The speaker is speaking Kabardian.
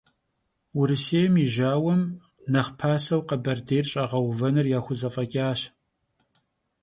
Vurısêym yi jauem nexh paseu Kheberdêyr ş'ağeuvenır yaxuzef'eç'aş.